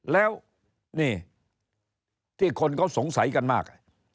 แล้วนี่ที่คนเขาสงสัยกันมาก